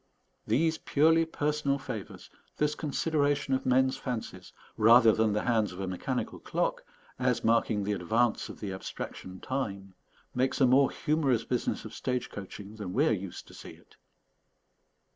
These purely personal favours, this consideration of men's fancies, rather than the hands of a mechanical clock, as marking the advance of the abstraction, time, makes a more humorous business of stage coaching than we are used to see it.